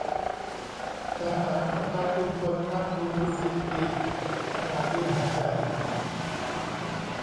ทหารสะพายปืนกลนั่งดูยูบีซี สนามบินหาดใหญ่